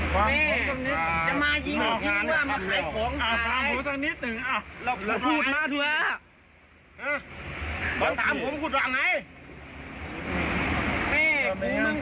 ฟังผมสักนิดหนึ่งอ่ะ